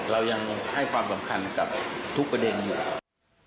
เรายังให้ความสำคัญกับทุกประเด็นอยู่ครับ